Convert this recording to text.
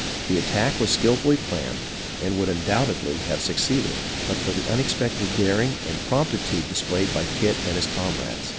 The attack was skillfully planned and would undoubtedly have succeeded, but for the unexpected daring and promptitude displayed by Kit and his comrades.